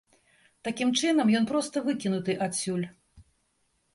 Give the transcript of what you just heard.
Такім чынам ён проста выкінуты адсюль.